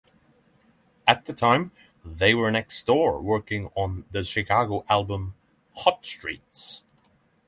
At the time, they were next door working on the Chicago album "Hot Streets".